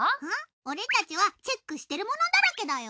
俺たちはチェックしてるものだらけだよ。